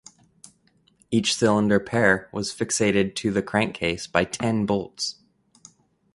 Each cylinder pair was fixated to the crankcase by ten bolts.